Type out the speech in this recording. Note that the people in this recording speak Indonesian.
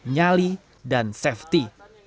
nyali dan segera